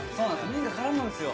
麺が絡むんですよ